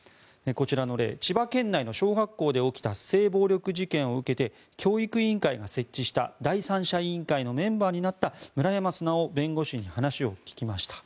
こちらの例千葉県内の小学校で起きた性暴力事件を受けて教育委員会が設置した第三者委員会の村山直弁護士に話を聞きました。